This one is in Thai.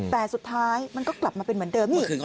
แต่สุดท้ายมันก็กลับมาเป็นเหมือนเดิมนี่